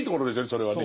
それはね。